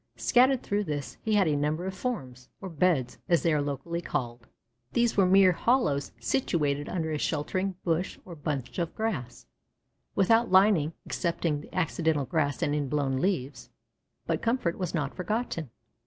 Scattered through this he had a number of "forms," or "beds" as they are locally called. These were mere hollows situated under a sheltering bush or bunch of grass, without lining excepting the accidental grass and in blown leaves. But comfort was not forgotten.